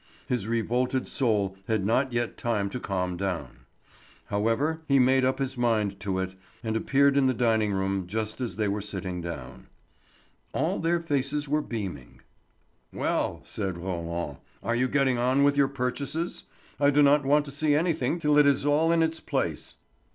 His revolted soul had not yet time to calm down. However, he made up his mind to it, and appeared in the dining room just as they were sitting down. All their faces were beaming. "Well," said Roland, "are you getting on with your purchases? I do not want to see anything till it is all in its place."